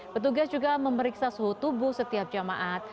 petugas juga memeriksa suhu tubuh setiap jemaat